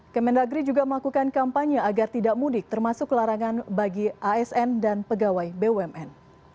kemendagri juga melakukan kampanye agar tidak mudik termasuk larangan bagi asn dan pegawai bumn